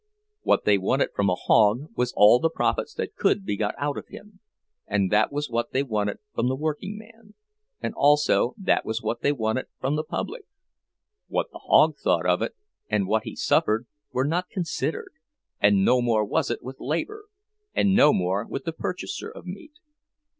What they wanted from a hog was all the profits that could be got out of him; and that was what they wanted from the workingman, and also that was what they wanted from the public. What the hog thought of it, and what he suffered, were not considered; and no more was it with labor, and no more with the purchaser of meat.